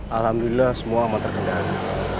alhamdulillah semua aman terkendali